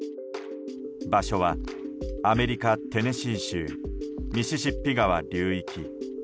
場所は、アメリカ・テネシー州ミシシッピ川流域。